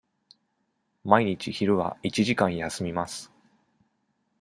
毎日昼は一時間休みます。